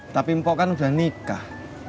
tapi mpok kan udah nikah